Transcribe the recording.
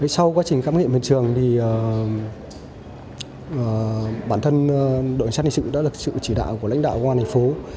sau quá trình khám nghiệm bình thường bản thân đội xác định sự đã lực sự chỉ đạo của lãnh đạo công an thành phố